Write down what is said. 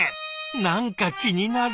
何か気になる。